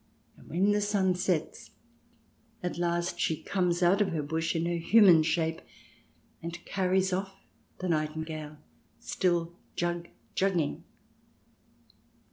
And when the sun sets at last she comes out of the bush in her human shape, and carries off the nightingale, still jug jugging.